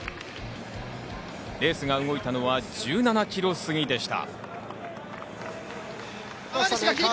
レースが動いたのは１７ｋｍ過ぎでした。